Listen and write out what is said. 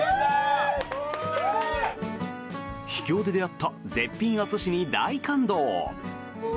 秘境で出会った絶品お寿司に大感動！